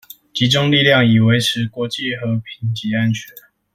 集中力量，以維持國際和平及安全